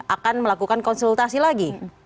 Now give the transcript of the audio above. akan melakukan konsultasi lagi